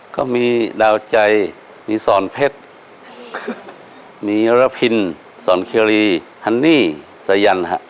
ก็มีดาวใจมีสอนเพชรมีระพินสอนเครีฮันนี่สายันฮะ